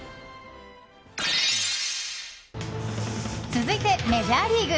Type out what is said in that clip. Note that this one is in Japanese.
続いてメジャーリーグ。